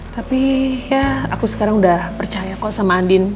tapi ya aku sekarang udah percaya kok sama andin